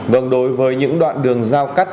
vâng đối với những đoạn đường giao cắt